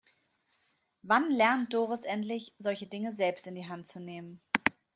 Wann lernt Doris endlich, solche Dinge selbst in die Hand zu nehmen?